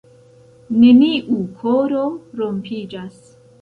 neniu koro rompiĝas